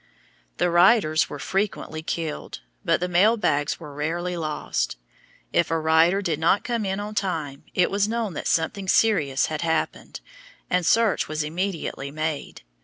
The riders were frequently killed, but the mail bags were rarely lost. If a rider did not come in on time, it was known that something serious had happened, and search was immediately made.